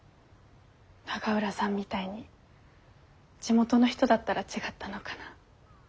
永浦さんみたいに地元の人だったら違ったのかな。